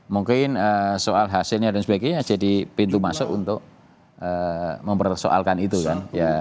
mungkin soal hasilnya dan sebagainya jadi pintu masuk untuk mempersoalkan itu kan